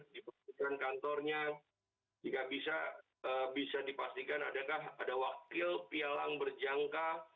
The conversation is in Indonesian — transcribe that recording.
diperlukan kantornya jika bisa bisa dipastikan adakah ada wakil pialang berjangka